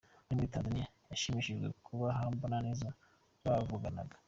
Ari muri Tanzaniya yashimishijwe n’uko Humble na Nizzo bavuganaga.